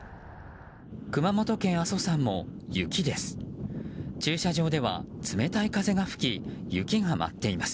熊本県阿蘇山も雪です。